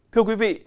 thưa quý vị